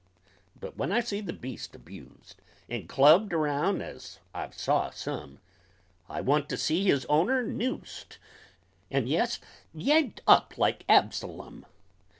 But when I see the beast abused, And clubbed around as I've saw some, I want to see his owner noosed, And jest yanked up like Absolum!